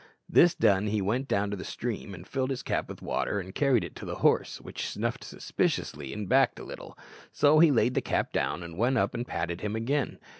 This done, he went down to the stream and filled his cap with water and carried it to the horse, which snuffed suspiciously and backed a little; so he laid the cap down, and went up and patted him again.